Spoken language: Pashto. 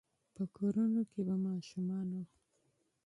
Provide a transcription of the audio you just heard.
په کورونو کې به ماشومانو،